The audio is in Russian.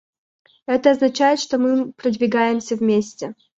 Это означает, что мы продвигаемся вместе.